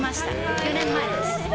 ４年前です。